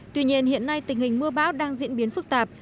tuy nhiên hiện nay tình hình mưa bão đang diễn biến phức tạp